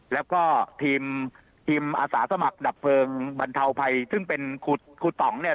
แล้วก็ทีมทีมอาสาสมัครดับเพลิงบรรเทาภัยซึ่งเป็นครูต่องเนี่ย